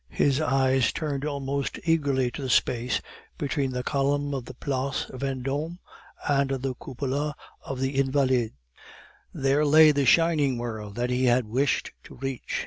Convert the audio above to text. His eyes turned almost eagerly to the space between the column of the Place Vendome and the cupola of the Invalides; there lay the shining world that he had wished to reach.